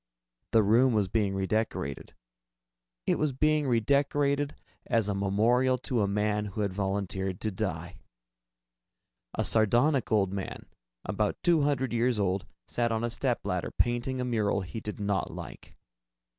The room was being redecorated. It was being redecorated as a memorial to a man who had volunteered to die. A sardonic old man, about two hundred years old, sat on a stepladder, painting a mural he did not like.